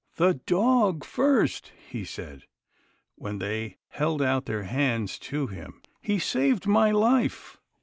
" The dog first," he said, when they held out their hands to him, " he saved my life."